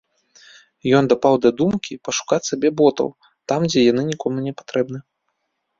Ён дапаў да думкі пашукаць сабе ботаў там, дзе яны нікому не патрэбны.